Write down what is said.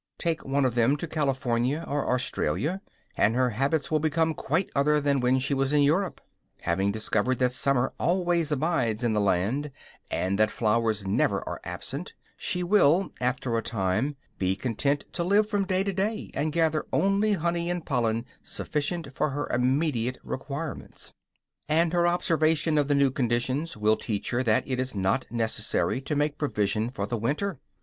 Take one of them to California or Australia, and her habits will become quite other than when she was in Europe. Having discovered that summer always abides in the land and that flowers never are absent, she will, after a time, be content to live from day to day, and gather only honey and pollen sufficient for her immediate requirements; and her observation of the new conditions will teach her that it is not necessary to make provision for the winter.